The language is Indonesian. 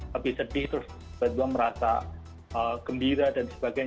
tapi sedih terus tiba tiba merasa gembira dan sebagainya